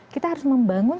kita harus membangun